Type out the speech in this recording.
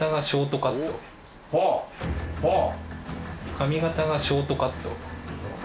髪形がショートカット。